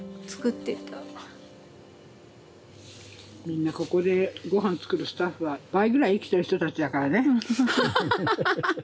みんなここでごはん作るスタッフは倍ぐらい生きてる人たちだからね。